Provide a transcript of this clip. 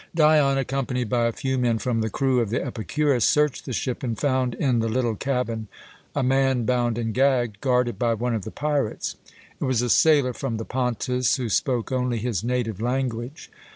Dion, accompanied by a few men from the crew of the Epicurus, searched the ship, and found in the little cabin a man bound and gagged, guarded by one of the pirates. It was a sailor from the Pontus, who spoke only his native language.